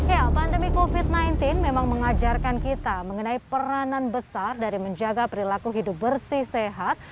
ya pandemi covid sembilan belas memang mengajarkan kita mengenai peranan besar dari menjaga perilaku hidup bersih sehat